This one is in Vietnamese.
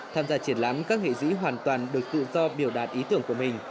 tham gia triển lãm các nghệ sĩ hoàn toàn được tự do biểu đạt ý tưởng của mình